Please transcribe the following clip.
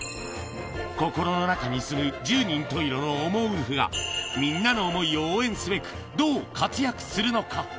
心の中に住む十人十色のおもウルフが、みんなの想いを応援すべく、どう活躍するのか。